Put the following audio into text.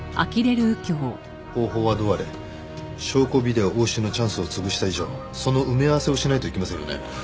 方法はどうあれ証拠ビデオ押収のチャンスを潰した以上その埋め合わせをしないといけませんよね？